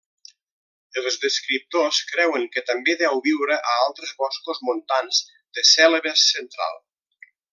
Els descriptors creuen que també deu viure a altres boscos montans de Cèlebes Central.